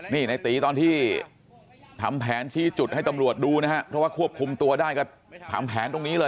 นี่ในตีตอนที่ทำแผนชี้จุดให้ตำรวจดูนะฮะเพราะว่าควบคุมตัวได้ก็ทำแผนตรงนี้เลย